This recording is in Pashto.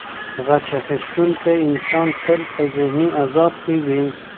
غچ اخیستونکی انسان تل په ذهني عذاب کي وي.